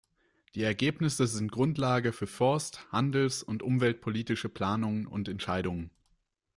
Die Ergebnisse sind Grundlage für forst-, handels- und umweltpolitische Planungen und Entscheidungen.